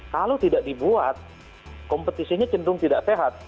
kalau tidak dibuat kompetisinya cenderung tidak sehat